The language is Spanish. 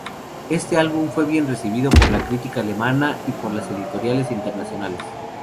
Este álbum fue bien recibido por la crítica alemana y por las editoriales internacionales.